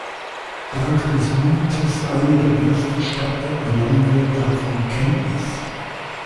Dank des Mutes einiger Berichterstatter erlangen wir davon Kenntnis.